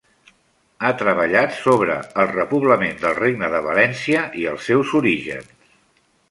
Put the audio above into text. Ha treballat sobre el repoblament del Regne de València i els seus orígens.